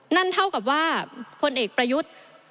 นั่นเท่ากับว่าพลเอกประยุทธ์